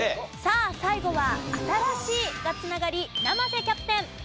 さあ最後は「新しい」が繋がり生瀬キャプテン。